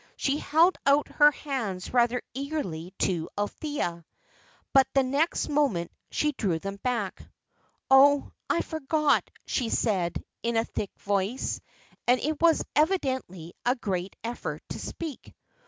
She held out her hands rather eagerly to Althea, but the next moment she drew them back. "Oh, I forgot," she said, in a thick voice; and it was evidently a great effort to speak.